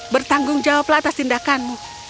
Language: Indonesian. bertanggung jawablah atas tindakanmu